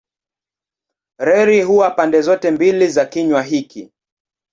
Reli huwa pande zote mbili za kinywa hiki.